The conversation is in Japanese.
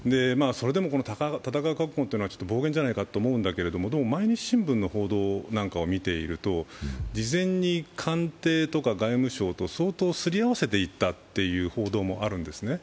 それでも戦う覚悟というのは暴言じゃないかと思うんだけれども「毎日新聞」の報道を見ていると事前に官邸とか外務省と相当すり合わせて行ったという報道もあるんですね。